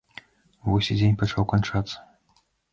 Вось і дзень пачаў канчацца.